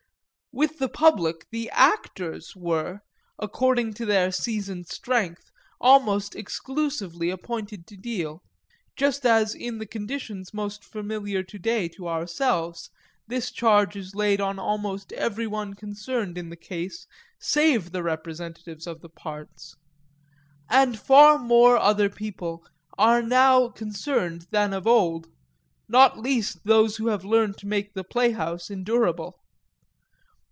With the public the actors were, according to their seasoned strength, almost exclusively appointed to deal, just as in the conditions most familiar to day to ourselves this charge is laid on almost everyone concerned in the case save the representatives of the parts. And far more other people are now concerned than of old; not least those who have learned to make the playhouse endurable.